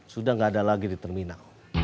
buat aku ketemu ternyata